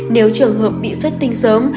nếu trường hợp bị suất tinh sớm